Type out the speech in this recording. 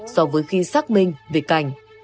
so với khi xác minh về cảnh